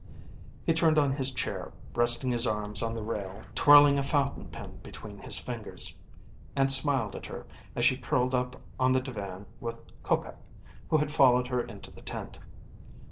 He turned on his chair, resting his arms on the rail, twirling a fountain pen between his fingers, and smiled at her as she curled up on the divan with Kopec, who had followed her into the tent.